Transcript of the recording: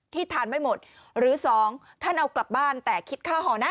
ทานไม่หมดหรือสองท่านเอากลับบ้านแต่คิดค่าห่อนะ